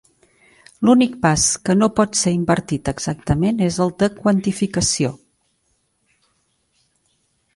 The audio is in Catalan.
L'únic pas que no pot ser invertit exactament és el de quantificació.